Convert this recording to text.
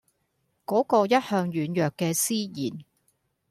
嗰個一向軟弱嘅思賢